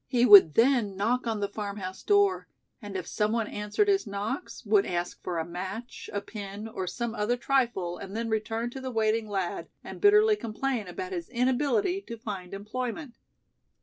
He would then knock on the farm house door, and if someone answered his knocks would ask for a match, a pin or some other trifle and then return to the waiting lad and bitterly complain about his inability to find employment.